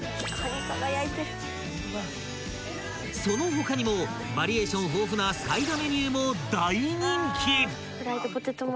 ［その他にもバリエーション豊富なサイドメニューも大人気］